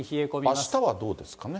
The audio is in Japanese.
あしたはどうですかね。